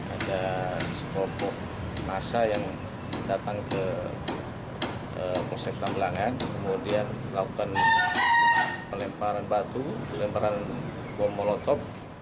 ada sekelompok masa yang datang ke polsek tambelangan kemudian melakukan pelemparan batu pelemparan bom molotov